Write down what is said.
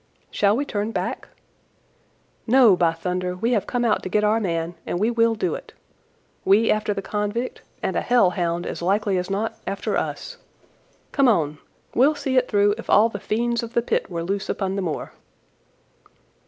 "Shall we turn back?" "No, by thunder; we have come out to get our man, and we will do it. We after the convict, and a hell hound, as likely as not, after us. Come on! We'll see it through if all the fiends of the pit were loose upon the moor."